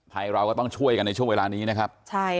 เราก็ต้องช่วยกันในช่วงเวลานี้นะครับ